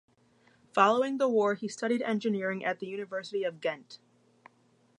Following the war he studied engineering at the University of Ghent.